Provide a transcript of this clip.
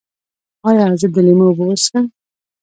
ایا زه د لیمو اوبه وڅښم؟